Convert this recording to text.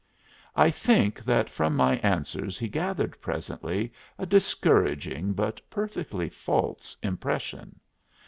I think that from my answers he gathered presently a discouraging but perfectly false impression.